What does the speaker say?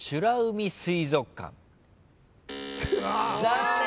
残念！